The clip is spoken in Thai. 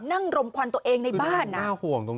นั่งรมควันตัวเองในบ้าน